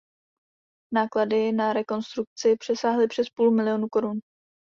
Náklady na rekonstrukci přesáhly přes půl milionu korun.